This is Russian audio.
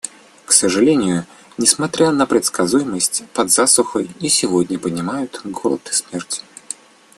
К сожалению, несмотря на предсказуемость, под засухой и сегодня понимаются голод и смерть.